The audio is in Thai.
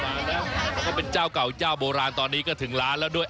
มาแล้วแล้วก็เป็นเจ้าเก่าเจ้าโบราณตอนนี้ก็ถึงร้านแล้วด้วย